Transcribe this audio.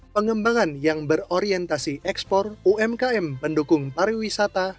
pengembangan yang berorientasi ekspor umkm pendukung pariwisata